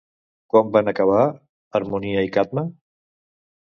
Com van acabar Harmonia i Cadme?